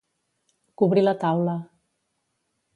Cobrir la taula.